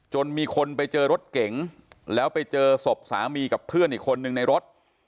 มีคนไปเจอรถเก๋งแล้วไปเจอศพสามีกับเพื่อนอีกคนนึงในรถ